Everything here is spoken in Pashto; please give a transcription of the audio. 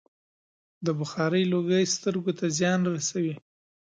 د بخارۍ لوګی سترګو ته زیان رسوي.